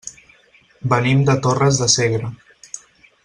Venim de Torres de Segre.